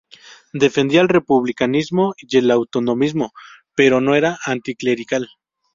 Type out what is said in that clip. Defendía el republicanismo y el autonomismo, pero no era anticlerical.